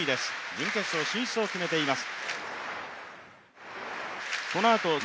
準決勝進出を決めています。